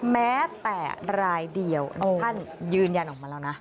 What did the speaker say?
แม้แต่รายเดียวท่านยืนยันออกมาแล้วนะ